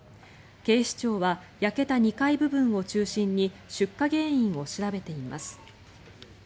警視庁は焼けた２階部分を中心に出火原因を調べています。